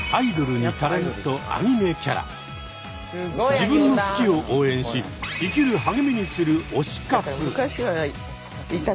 自分の好きを応援し生きる励みにする推し活。